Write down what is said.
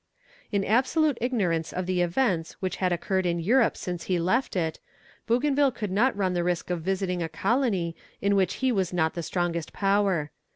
In absolute ignorance of the events which had occurred in Europe since he left it, Bougainville would not run the risk of visiting a colony in which he was not the strongest power.